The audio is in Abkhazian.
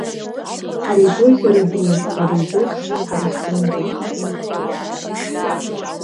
Ари гәырӷьара дуун иара изеиԥш ҳара ҳзынгьы.